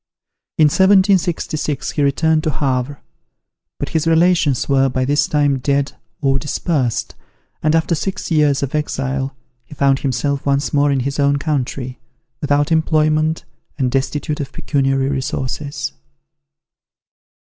In 1766, he returned to Havre; but his relations were by this time dead or dispersed, and after six years of exile, he found himself once more in his own country, without employment and destitute of pecuniary resources.